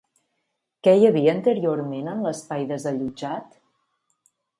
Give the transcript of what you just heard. Què hi havia anteriorment en l'espai desallotjat?